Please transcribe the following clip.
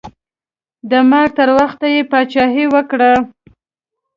د مرګ تر وخته یې پاچاهي وکړه.